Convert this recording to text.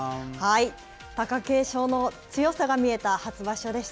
貴景勝の強さが見えた初場所でした。